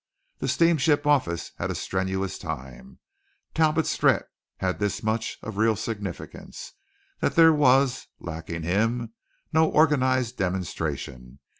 The steamship office had a strenuous time. Talbot's threat had this much of real significance: that there was, lacking him, no organized demonstration.